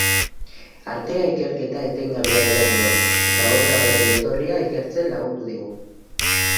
Artea ikerketa etengabea dela dio, eta obra horren jatorria ikertzen lagundu digu.